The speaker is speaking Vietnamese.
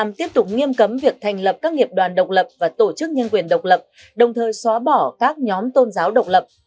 việt nam tiếp tục nghiêm cấm việc thành lập các nghiệp đoàn độc lập và tổ chức nhân quyền độc lập đồng thời xóa bỏ các nhóm tôn giáo độc lập